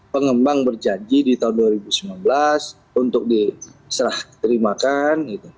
pengembang berjanji di tahun dua ribu sembilan belas untuk diserah terimakan